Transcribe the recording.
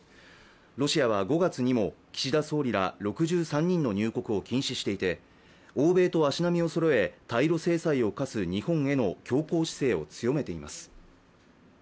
ロシアは５月にも、岸田総理ら６３人の入国を禁止していて欧米と足並みをそろえ対ロ制裁を科す日本への強硬姿勢を強めています。